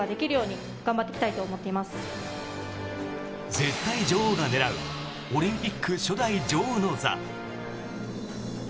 絶対女王が狙うオリンピック初代女王の座。